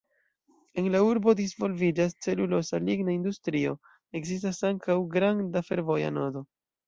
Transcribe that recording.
En la urbo disvolviĝas celuloza–ligna industrio, ekzistas ankaŭ granda fervoja nodo.